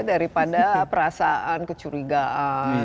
daripada perasaan kecurigaan